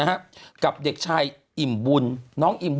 คุณหนุ่มกัญชัยได้เล่าใหญ่ใจความไปสักส่วนใหญ่แล้ว